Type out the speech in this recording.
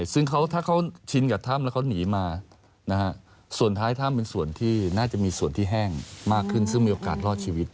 ซึ่งถ้าเขาชินกับถ้ำแล้วเขาหนีมาส่วนท้ายถ้ำเป็นส่วนที่น่าจะมีส่วนที่แห้งมากขึ้นซึ่งมีโอกาสรอดชีวิต